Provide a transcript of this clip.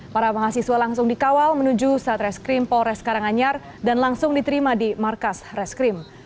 para mahasiswa langsung dikawal menuju satreskrim polres karanganyar dan langsung diterima di markas reskrim